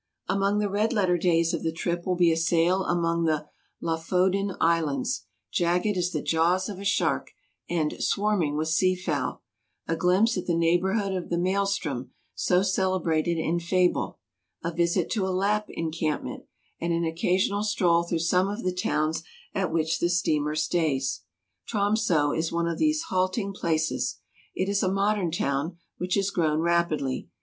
Among the red letter days of the trip will be a sail among the Loffoden Islands, "jagged as the jaws of a shark," and swarming with sea fowl; a glimpse at the neighborhood of the Maelstrom, so celebrated in fable ; a visit to a Lapp encampment, and an occasional stroll through some of the towns at which the steamer stays. Tromso is one of these halting places : it is a modern town, which has grown rapidly.